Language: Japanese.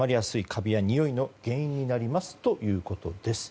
カビや、においの原因になりますということです。